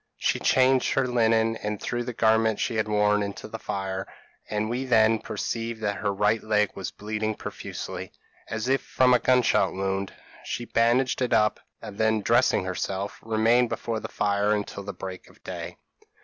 She changed her linen, and threw the garments she had worn into the fire; and we then perceived that her right leg was bleeding profusely, as if from a gun shot wound. She bandaged it up, and then dressing herself, remained before the fire until the break of day.